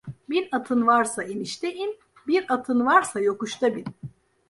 Bin atın varsa inişte in, bir atın varsa yokuşta bin.